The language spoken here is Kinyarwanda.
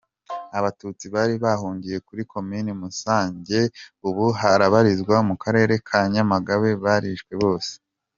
Abatutsi bari bahungiye kuri Komini Musange ubu habarizwa mu karere ka Nyamagabe, barishwe bose.